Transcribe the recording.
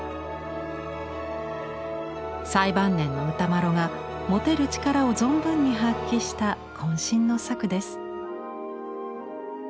最晩年の歌麿が持てる力を存分に発揮したこん身の作です。